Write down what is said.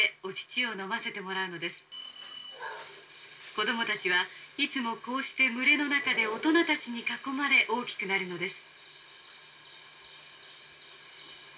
「子どもたちはいつもこうして群れの中で大人たちに囲まれ大きくなるのです」。